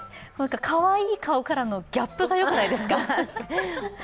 かわいい顔からのギャップがよくないですか？